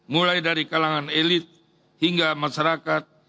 mulai dari kalangan elit hingga masyarakat